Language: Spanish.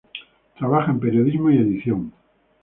Trabaja en periodismo y edición.